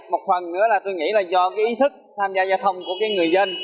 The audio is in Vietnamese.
một phần nữa là do ý thức tham gia giao thông của người dân